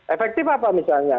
efektif apa misalnya